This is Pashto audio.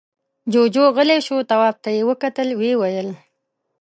جُوجُو غلی شو، تواب ته يې وکتل، ويې ويل: